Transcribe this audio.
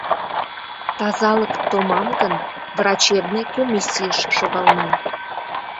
— Тазалык томам гын, врачебный комиссийыш шогалман.